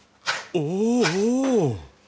おお！